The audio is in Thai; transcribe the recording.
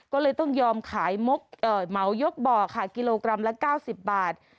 ก็เลยต้องยอมขายเหมายกบ่อค่ะกิโลกรัมละ๙๐บาท